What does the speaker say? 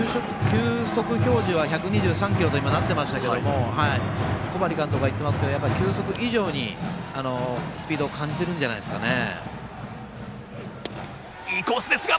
球速表示は１２３キロと今、なっていましたけど小針監督が言ってますけど球速以上にスピードを感じてるんじゃないでしょうか。